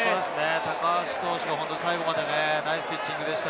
高橋投手が最後までナイスピッチングでした。